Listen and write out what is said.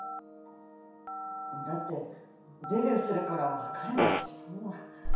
だってデビューするから別れろってそんな。